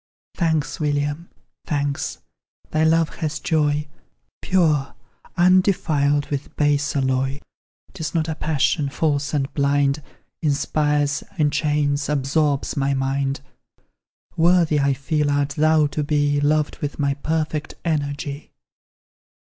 Thanks, William, thanks! thy love has joy, Pure, undefiled with base alloy; 'Tis not a passion, false and blind, Inspires, enchains, absorbs my mind; Worthy, I feel, art thou to be Loved with my perfect energy.